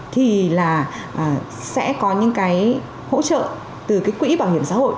thì sẽ có những hỗ trợ từ quỹ bảo hiểm xã hội